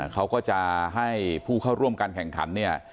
เขาก็จะให้ผู้เข้าร่วมการแข่งขันเนี่ย